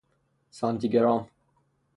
سانتیگرام